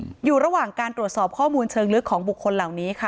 อยู่ระหว่างการตรวจสอบข้อมูลเชิงลึกของบุคคลเหล่านี้ค่ะ